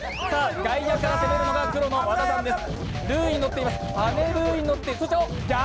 外から攻めるのが黒の和田さんです。